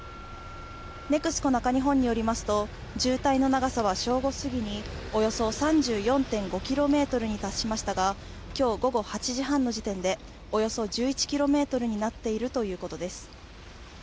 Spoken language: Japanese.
ＮＥＸＣＯ中日本によりますと渋滞の長さは正午すぎにおよそ３４．５ｋｍに達しましたが、今日午後８時半の時点で、およそ１１ｋｍになっているということです。